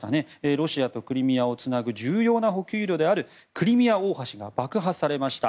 ロシアとクリミアをつなぐ重要な補給路であるクリミア大橋が爆破されました。